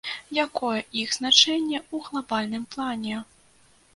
Якое іх значэнне ў глабальным плане?